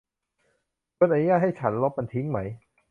คุณอนุญาตให้ฉันลบมันทิ้งไหม ?